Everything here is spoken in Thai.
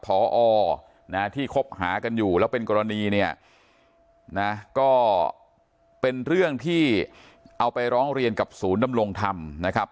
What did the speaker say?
พอนะที่คบหากันอยู่แล้วเป็นกรณีเนี่ยนะก็เป็นเรื่องที่เอาไปร้องเรียนกับศูนย์ดำรงธรรมนะครับ